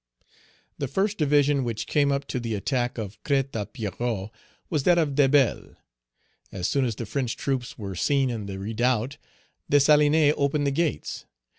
The first division which came up to the attack of Crête à Pierrot was that of Debelle. As soon as the French troops were seen in the redoubt, Dessalines opened the gates.